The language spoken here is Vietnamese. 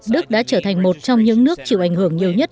đức đã trở thành một trong những nước chịu ảnh hưởng nhiều nhất